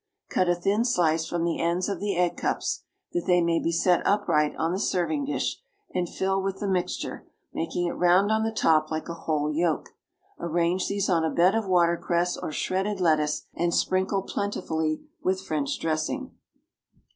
Cut a thin slice from the ends of the egg cups, that they may be set upright on the serving dish, and fill with the mixture, making it round on the top like a whole yolk. Arrange these on a bed of watercress, or shredded lettuce, and sprinkle plentifully with French dressing.